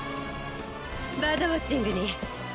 バードウオッチングに。